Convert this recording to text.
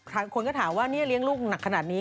คนก็ถามว่าเนี่ยเลี้ยงลูกหนักขนาดนี้